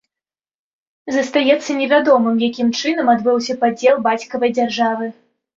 Застаецца невядомым, якім чынам адбыўся падзел бацькавай дзяржавы.